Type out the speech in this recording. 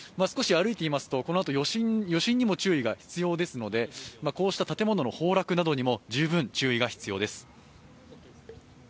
少し歩いてみますと、このあと余震にも注意が必要ですのでこうした建物の崩落などにも十分注意が必要です。